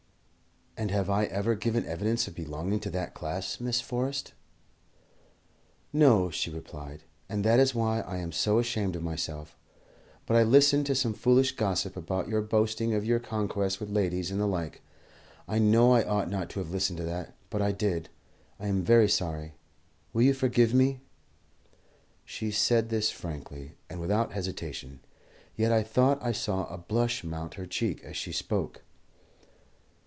"And have I ever given evidence of belonging to that class, Miss Forrest?" "No," she replied; "and that is why I am so ashamed of myself. But I listened to some foolish gossip about your boasting of your conquests with ladies and the like. I know I ought not to have listened to it, but I did. I am very sorry; will you forgive me?" She said this frankly, and without hesitation; yet I thought I saw a blush mount her cheek as she spoke.